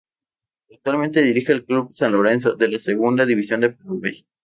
Actualmente dirige al club San Lorenzo de la Segunda División de Paraguay.